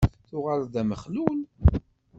Tuɣaleḍ d amexlul?